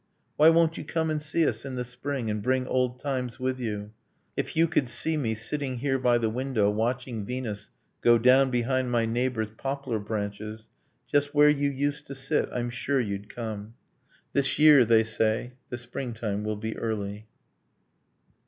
Why won't you come and see us, in the spring, And bring old times with you? If you could see me Sitting here by the window, watching Venus Go down behind my neighbor's poplar branches, Just where you used to sit, I'm sure you'd come. This year, they say, the springtime will be early.